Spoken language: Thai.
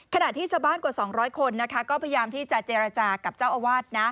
ขณะที่ชาวบ้านกว่า๒๐๐คนก็พยายามที่จะเจรจากับเจ้าอาวาส